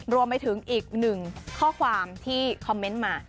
รวมไปถึงอีกหนึ่งข้อความที่คอมเมนต์มา